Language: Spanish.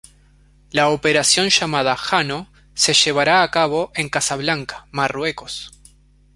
La operación llamada "Jano" se llevará a cabo en Casablanca, Marruecos.